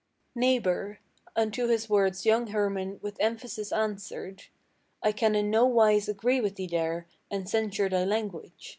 "Neighbor," unto his words young Hermann with emphasis answered: "I can in no wise agree with thee here, and censure thy language.